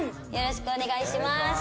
よろしくお願いします。